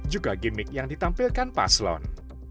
juga gimmick yang ditampilkan paslon